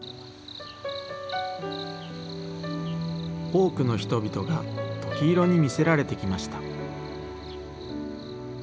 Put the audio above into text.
多くの人々が、トキ色に魅せられてきました。